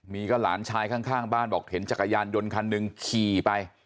มีก็หลานชายข้างบ้านบอกเห็นจักรยานยนต์คันหนึ่งขี่ไป